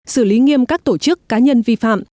xử lý nghiêm các tổ chức cá nhân vi phạm